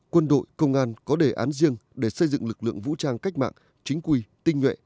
quân đội công an có đề án riêng để xây dựng lực lượng vũ trang cách mạng chính quy tinh nhuệ